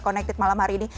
konektif malam hari ini